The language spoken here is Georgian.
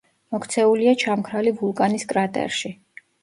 მოქცეულია ჩამქრალი ვულკანის კრატერში.